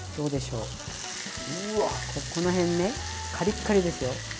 この辺ねカリッカリですよ。